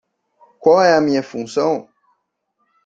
Qual é a minha função?